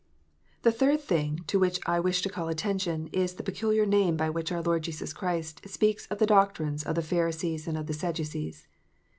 The third thing to which I wish to call attention is tltc peculiar name by which our Lord Jesus Christ speaks of the doctrines of the Pharisees and of the Sadducees.